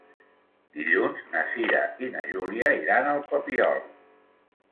Dilluns na Cira i na Júlia iran al Papiol.